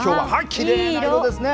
きれいな色ですね。